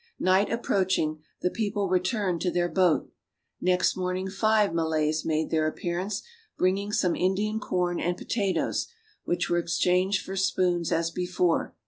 Night approaching, the people returned to their boat. Next morning five Malays made their appearance, bringing some Indian corn and potatoes, which were exchanged for spoons as before.